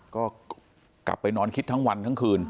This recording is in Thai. ก็กลับไปนอนคิดทั้งวันทั้งคืน